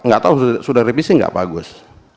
gak tahu sudah revisi gak pak agus